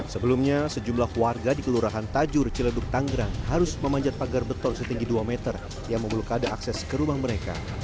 sebelumnya sejumlah warga di kelurahan tajur ciledug tanggerang harus memanjat pagar beton setinggi dua meter yang memblokade akses ke rumah mereka